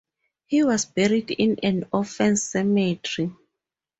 He was buried in an orphans cemetery.